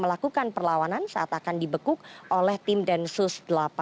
melakukan perlawanan saat akan dibekuk oleh tim densus delapan puluh delapan